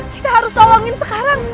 kita harus tolongin sekarang